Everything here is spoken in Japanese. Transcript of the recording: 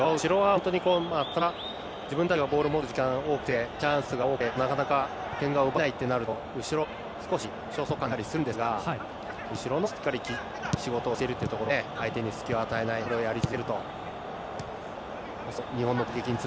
後ろは本当に、なかなか自分たちがボールを持つ時間が多くてチャンスが多くて、でもなかなか点が奪えないとなると後ろ、少し焦燥感が出たりするんですが後ろもしっかり仕事をしているというところで相手に隙を与えないプレーをやり続けると。